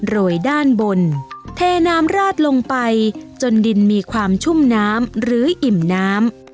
โรยด้านบนเทน้ำราดลงไปจนดินมีความชุ่มน้ำหรืออิ่มน้ำ